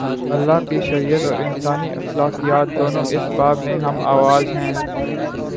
اللہ کی شریعت اور انسانی اخلاقیات، دونوں اس باب میں ہم آواز ہیں۔